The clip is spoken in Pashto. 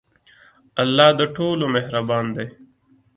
الله د ټولو مهربان دی.